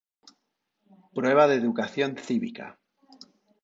Prueba de educación cívica.